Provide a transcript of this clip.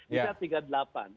ini ada tiga delapan